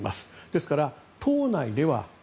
ですから党内では。